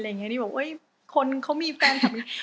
อะไรอย่างนี้บอกว่าคนเขามีแฟนคับ